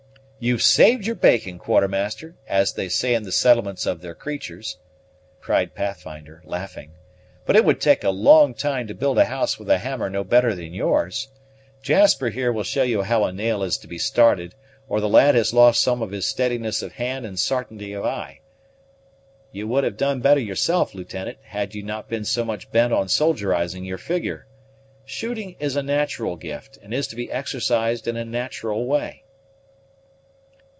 "You've saved your bacon, Quartermaster, as they say in the settlements of their creaturs," cried Pathfinder, laughing; "but it would take a long time to build a house with a hammer no better than yours. Jasper, here, will show you how a nail is to be started, or the lad has lost some of his steadiness of hand and sartainty of eye. You would have done better yourself, Lieutenant, had you not been so much bent on soldierizing your figure. Shooting is a natural gift, and is to be exercised in a natural way."